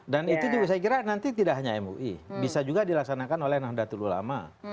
dan itu saya kira nanti tidak hanya mui bisa juga dilaksanakan oleh nahdlatul ulama